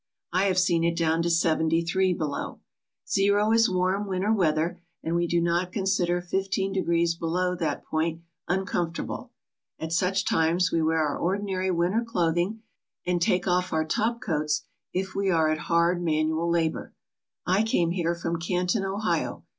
I have seen it down to seventy three below. Zero is warm winter weather and we do not consider fifteen degrees below that point uncomfortable. At such times we wear our ordinary winter clothing and take off our top coats if we are at hard manual labour. I came here from Canton, Ohio.